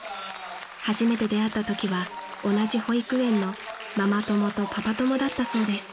［初めて出会ったときは同じ保育園のママ友とパパ友だったそうです］